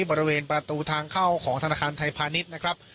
บริเวณประตูทางเข้าของธนาคารไทยพาณิชย์นะครับ